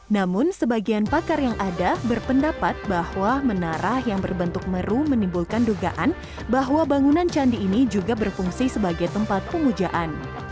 namun sebagian pakar yang ada berpendapat bahwa menara yang berbentuk meru menimbulkan dugaan bahwa bangunan candi ini juga berfungsi sebagai tempat pengujaan